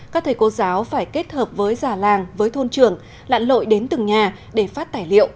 các thầy cô giáo phải kết hợp với giả làng với thôn trường lạn lội đến từng nhà để phát tài liệu